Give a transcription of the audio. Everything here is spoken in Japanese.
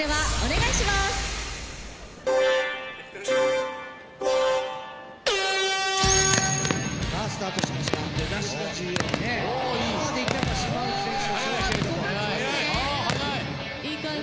いい感じ。